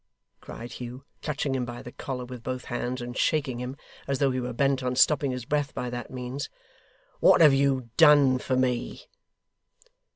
cried Hugh, clutching him by the collar with both hands, and shaking him as though he were bent on stopping his breath by that means. 'What have you done for me?